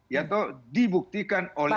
ya toh dibuktikan oleh